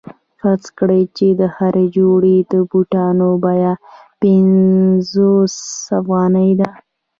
فرض کړئ چې د هرې جوړې بوټانو بیه پنځوس افغانۍ ده